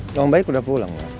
ngomong baik udah pulang